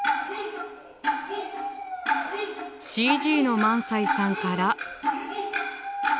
ＣＧの萬斎さんから。